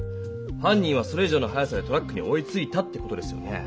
犯人はそれ以上の速さでトラックに追いついたって事ですよね。